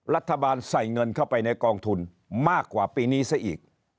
รัฐบาลใส่เงินเข้าไปในกองทุนมากกว่าปีนี้ซะอีก